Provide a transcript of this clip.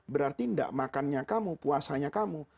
berarti tidak makannya kamu puasanya kamu